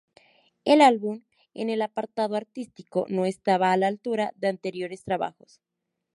El álbum, en el apartado artístico, no estaba a la altura de anteriores trabajos.